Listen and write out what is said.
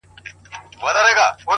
صبر د ناوخته بریا راز دی,